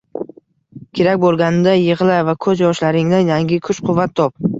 Kerak bo‘lganida yig‘la va ko‘z yoshlaringdan yangi kuch-quvvat top.